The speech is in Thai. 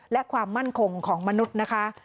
และความมั่นคงของมนุษย์นะคะ